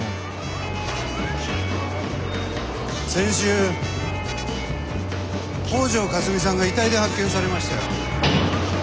先週北條かすみさんが遺体で発見されましたよ。